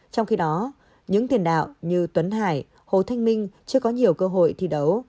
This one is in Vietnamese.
trong khi đó những tiền đạo như tuấn hải hồ thanh minh chưa có nhiều cơ hội thi đấu